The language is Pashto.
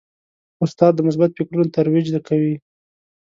استاد د مثبت فکرونو ترویج کوي.